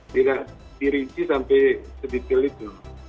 tidak dirinci sampai sedetail itu